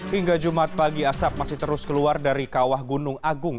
hingga jumat pagi asap masih terus keluar dari kawah gunung agung